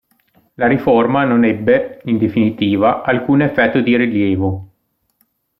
La riforma non ebbe, in definitiva, alcun effetto di rilievo.